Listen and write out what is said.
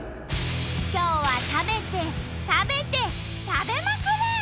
今日は食べて食べて食べまくる！